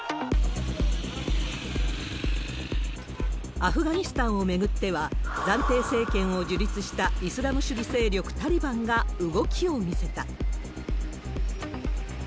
アフガニスタンを巡っては、暫定政権を樹立したイスラム主義勢力タリバンが動きを見せた。